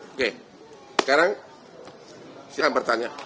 oke sekarang silahkan bertanya